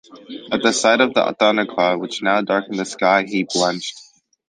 At the sight of the thundercloud, which now darkened the sky, he blenched.